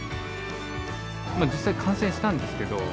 実際、感染したんですけど。